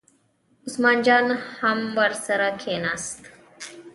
عثمان جان هم ورسره کېناست.